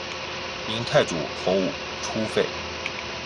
明太祖洪武初废。